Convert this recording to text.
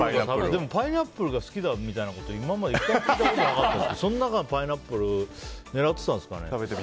でもパイナップルが好きみたいなこと今まで１回も聞いたことなかったけどその中でパイナップル狙ってたんですかね。